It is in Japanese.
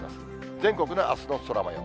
全国のあすの空もよう。